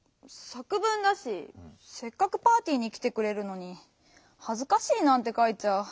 さくぶんだしせっかくパーティーにきてくれるのに「はずかしい」なんてかいちゃ。